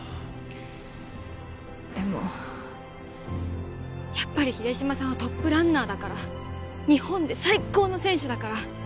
でもやっぱり秀島さんはトップランナーだから日本で最高の選手だから